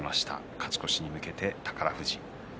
勝ち越しに向けて宝富士。